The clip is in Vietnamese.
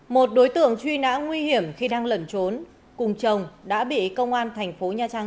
một đối tượng truy nã nguy hiểm khi đang lẩn trốn cùng chồng đã bị công an thành phố nha trang